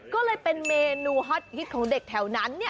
ก็เลยเป็นเมนูฮอตฮิตของเด็กแถวนั้น